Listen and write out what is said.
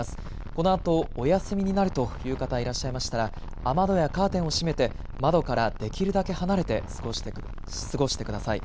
このあとお休みになるという方いらっしゃいましたら雨戸やカーテンを閉めて窓からできるだけ離れて過ごしてください。